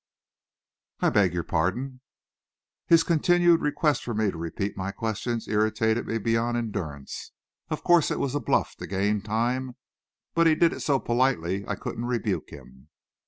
"I beg your pardon?" His continued requests for me to repeat my questions irritated me beyond endurance. Of course it was a bluff to gain time, but he did it so politely, I couldn't rebuke him.